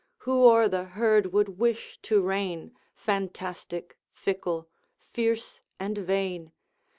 Who o'er the herd would wish to reign, Fantastic, fickle, fierce, and vain?